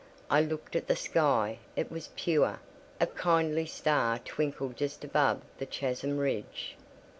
I looked at the sky; it was pure: a kindly star twinkled just above the chasm ridge.